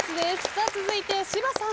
さあ続いて芝さん。